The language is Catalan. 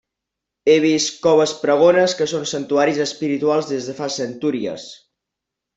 He vist coves pregones que són santuaris espirituals des de fa centúries.